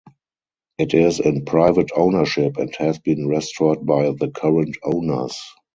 It is in private ownership and has been restored by the current owners.